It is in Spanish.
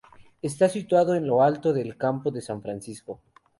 Está situado en lo alto del Campo de San Francisco.